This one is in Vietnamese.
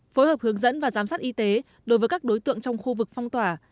phối hợp hướng dẫn và giám sát y tế đối với các đối tượng trong khu vực phong tỏa